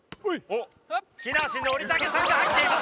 木梨憲武さんが入っています。